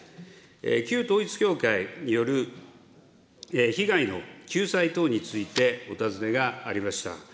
旧統一教会による被害の救済等についてお尋ねがありました。